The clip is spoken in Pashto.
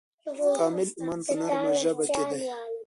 کامل ایمان په نرمه ژبه کې دی.